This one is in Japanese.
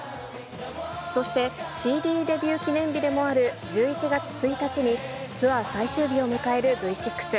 そして、ＣＤデビュー記念日でもある１１月１日に、ツアー最終日を迎えるＶ６。